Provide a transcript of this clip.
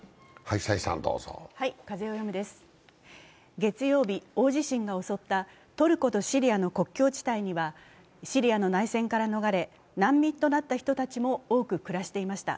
月曜日、大地震が襲ったトルコとシリアの国境地帯にはシリアの内戦から逃れ難民となった人たちも多く暮らしていました。